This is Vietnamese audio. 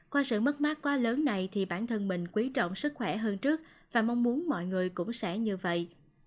qua sự mất mát quá lớn này thì bản thân mình quý trọng sức khỏe hơn trước và mong muốn mọi người cũng sẽ như vậy